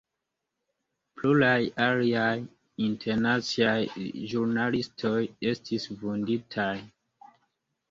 Pluraj aliaj internaciaj ĵurnalistoj estis vunditaj.